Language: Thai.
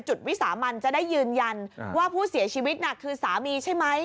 วิสามันจะได้ยืนยันว่าผู้เสียชีวิตน่ะคือสามีใช่ไหม